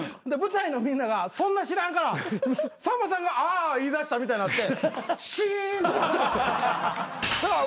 で舞台のみんながそんな知らんからさんまさんがあぁあぁ言いだしたみたいになってシーンと。